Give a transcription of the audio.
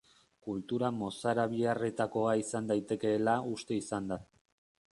Kultura mozarabiarretakoa izan daitekeela uste izan da.